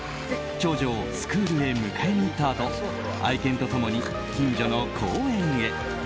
長女をスクールへ迎えに行ったあと愛犬と共に近所の公園へ。